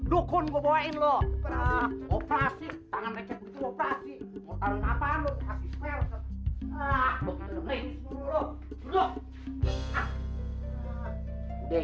dukun gue bawain loh operasi tangan rejek operasi operasi